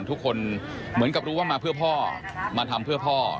ทุกคนเหมือนกับรู้ว่ามาเพื่อพ่อมาทำเพื่อพ่อ